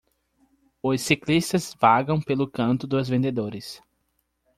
Os ciclistas vagam pelo canto dos vendedores.